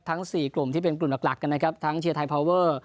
๔กลุ่มที่เป็นกลุ่มหลักกันนะครับทั้งเชียร์ไทยพาวเวอร์